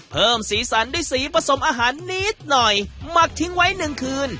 สีสันด้วยสีผสมอาหารนิดหน่อยหมักทิ้งไว้หนึ่งคืน